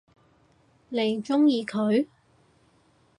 你鍾意佢？